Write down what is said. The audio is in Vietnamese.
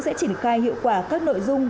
sẽ chỉnh cai hiệu quả các nội dung